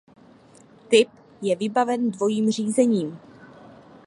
Typ je vybaven dvojím řízením.